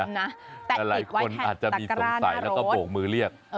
แต่อีกไว้แทนตากร้านหน้ารถแต่หลายคนอาจจะมีสงสัยแล้วก็โบกมือเรียก